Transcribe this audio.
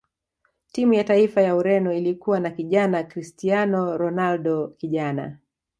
timu ya taifa ya ureno ilikuwa na kijana cristiano ronaldo kijana